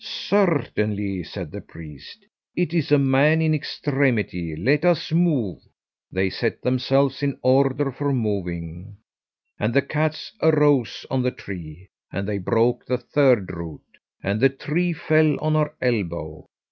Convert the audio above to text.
'Certainly,' said the priest, 'it is a man in extremity let us move.' They set themselves in order for moving. And the cats arose on the tree, and they broke the third root, and the tree fell on her elbow.